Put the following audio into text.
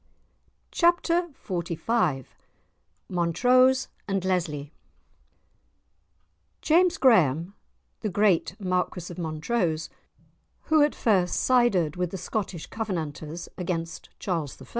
*Chapter XLV* *Montrose and Lesly* James Graham, the great Marquis of Montrose who at first sided with the Scottish Covenanters against Charles I.